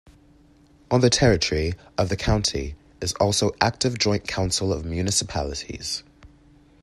On the territory of the County is also active Joint Council of Municipalities.